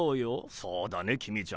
そうだね公ちゃん。